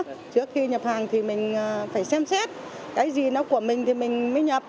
trước khi nhập hàng thì mình phải xem xét cái gì nó của mình thì mình mới nhập